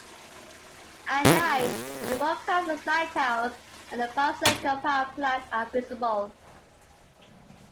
At night, the Morro Castle's lighthouse and the Palo Seco power plant are visible.